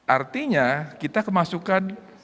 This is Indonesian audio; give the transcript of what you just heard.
artinya kita kemasukan